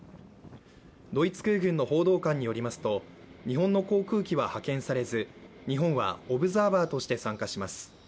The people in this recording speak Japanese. ドイツ空軍の報道官によりますと日本の航空機は派遣されず日本はオブザーバーとして参加します。